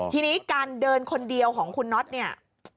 ทีนี้การเดินคนเดียวของคุณน็อตเนี่ย